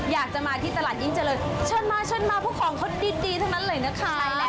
อยากจะมาที่ตลาดยิ่งเจริญเชิญมาเชิญมาพวกของเขาดีทั้งนั้นเลยนะคะ